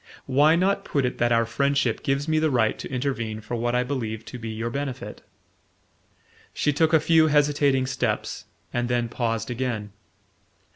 Why not put it that our friendship gives me the right to intervene for what I believe to be your benefit?" She took a few hesitating steps and then paused again.